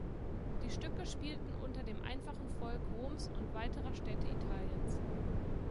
Die Stücke spielten unter dem einfachen Volk Roms und weiterer Städte Italiens.